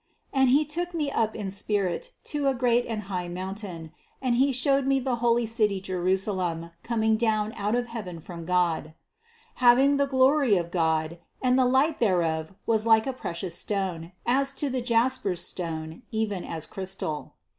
10. And he took me up in spirit to a great and high mountain, and he showed me the holy city Jerusa lem coming down out of heaven from God, 11. Having the glory of God; and the light thereof was like to a precious stone, as to the jasper stone, even as crystal.